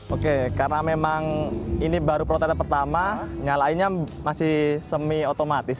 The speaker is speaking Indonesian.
oke karena memang ini baru protein pertama nyalainnya masih semi otomatis